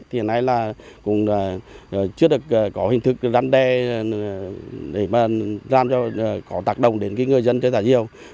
trước được có hình thức răn đe để làm cho có tạc động đến người dân chơi thả diều